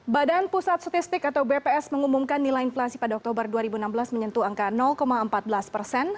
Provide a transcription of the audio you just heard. badan pusat statistik atau bps mengumumkan nilai inflasi pada oktober dua ribu enam belas menyentuh angka empat belas persen